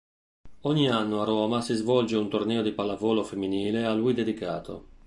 Ogni anno a Roma si svolge un torneo di pallavolo femminile a lui dedicato.